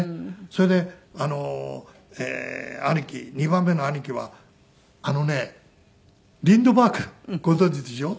それであの兄貴２番目の兄貴はあのねリンドバーグご存じでしょ？